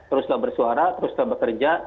teruslah bersuara teruslah bekerja